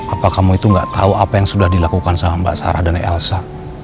apa kamu itu gak tahu apa yang sudah dilakukan sama mbak sarah dan elsa